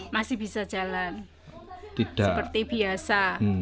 masih bisa jalan seperti biasa